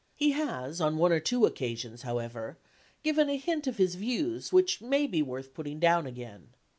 He has on one or two occasions, however, given a hint of his views which may be worth putting down again.